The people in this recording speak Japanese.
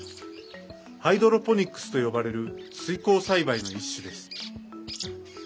ハイドロポニックスと呼ばれる水耕栽培の一種です。